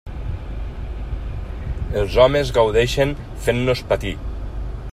Els homes gaudeixen fent-nos patir.